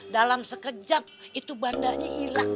dalam sekejap itu bandarnya hilang